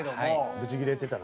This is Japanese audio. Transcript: ブチギレてたな。